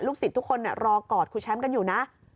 ศิษย์ทุกคนรอกอดครูแชมป์กันอยู่นะ